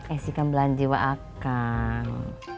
esy kan belanjiwa akan